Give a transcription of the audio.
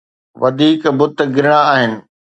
وڌيڪ بت گرڻا آهن.